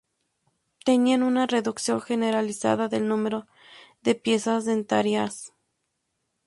Tenían una reducción generalizada del número de piezas dentarias.